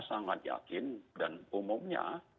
sangat yakin dan umumnya